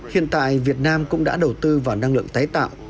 hiện tại việt nam cũng đã đầu tư vào năng lượng tái tạo